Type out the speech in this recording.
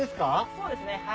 そうですね。